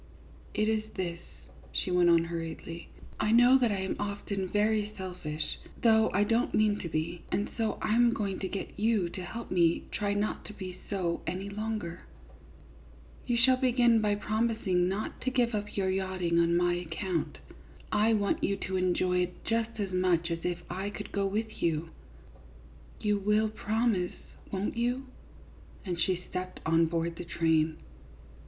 " It is this," she went on, hurriedly ;" I know that I am often very selfish, though I don't mean to be ; 58 CLYDE MOORFIELD, YACHTSMAN. and so I am going to get you to help me to try not to be so any longer. You shall begin by promising not to give up your yachting on my account. I want you to enjoy it just as much as if I could go with you. You will promise, won't you ?" and she stepped on board the train.